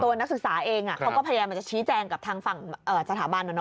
นักศึกษาเองเขาก็พยายามจะชี้แจงกับทางฝั่งสถาบัน